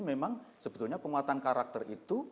memang sebetulnya penguatan karakter itu